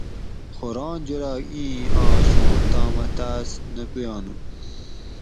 خو ران جولاگ اِیں آش اُوں تامہ تاۤس نہ پُویانُو